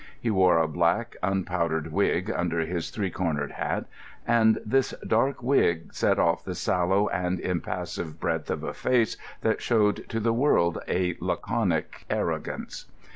He wore a black, unpowdered wig under his three cornered hat, and this dark wig set off the sallow and impassive breadth of a face that showed to the world a laconic arrogance.